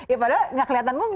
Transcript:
ya padahal nggak kelihatan mungkin